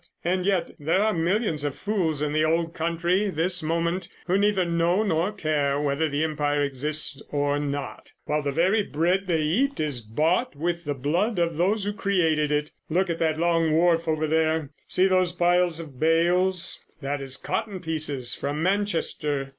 And yet there are millions of fools in the old country this moment who neither know nor care whether the Empire exists or not; while the very bread they eat is bought with the blood of those who created it! Look at that long wharf over there. See those piles of bales? That is cotton pieces from Manchester.